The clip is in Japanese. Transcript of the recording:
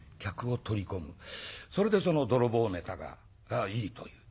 それでその泥棒ネタがいいという。